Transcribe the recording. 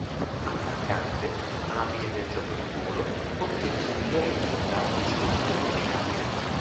Attaccante, abile nel gioco di volo, ottiene i suoi migliori risultati sulle superfici rapide.